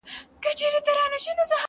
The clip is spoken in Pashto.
دا د شملو دا د بګړیو وطن.!